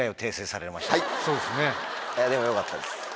はいでもよかったです。